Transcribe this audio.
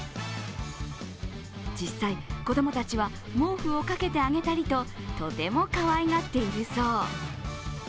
実際、子供たちは毛布をかけてあげたりと、とてもかわいがっているそう。